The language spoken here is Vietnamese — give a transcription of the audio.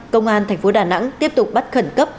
công an thành phố đà nẵng tiếp tục bắt khẩn cấp